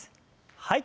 はい。